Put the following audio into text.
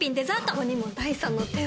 ここにも第三の手を。